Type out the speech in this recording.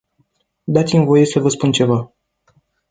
Dați-mi voie să vă spun ceva.